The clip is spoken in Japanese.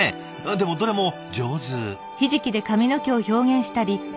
でもどれも上手！